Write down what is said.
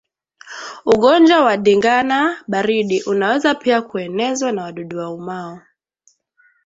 Ugonjwa wa ndigana baridi unaweza pia kuenezwa na wadudu waumao